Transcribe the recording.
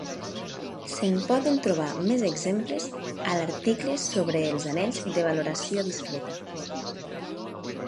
Se'n poden trobar més exemples a l'article sobre els anells de valoració discreta.